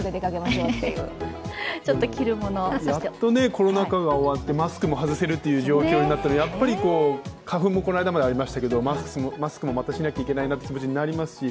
やっとコロナ禍が終わってマスクも外せるという状況で、花粉もまだありますけれどもマスクもまたしなきゃいけないなという気持ちになりますし。